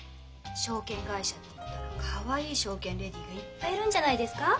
証券会社っていったらかわいい証券レディーがいっぱいいるんじゃないですか？